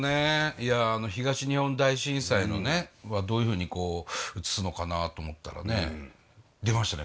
いや東日本大震災はどういうふうに映すのかなと思ったらね出ましたね